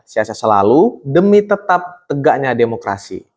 siasa selalu demi tetap tegaknya demokrasi